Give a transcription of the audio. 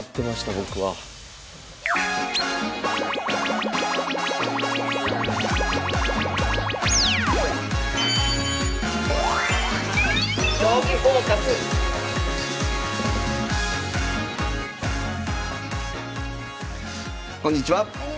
僕はこんにちは。